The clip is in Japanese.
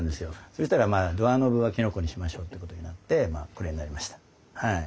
そしたらまあドアノブはきのこにしましょうということになってまあこれになりましたはい。